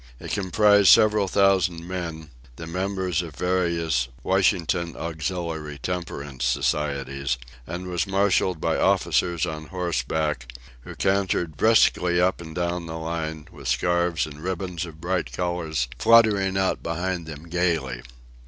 It comprised several thousand men; the members of various 'Washington Auxiliary Temperance Societies;' and was marshalled by officers on horseback, who cantered briskly up and down the line, with scarves and ribbons of bright colours fluttering out behind them gaily.